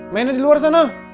mainnya di luar sana